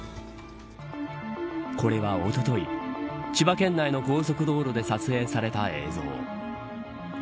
これは、おととい千葉県内の高速道路で撮影された映像。